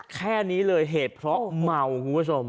แค่นี้เลยเหตุเพราะเมาคุณผู้ชม